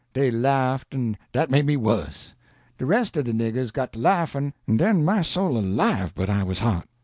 Dey laughed, an' dat made me wuss. De res' o' de niggers got to laughin', an' den my soul alive but I was hot!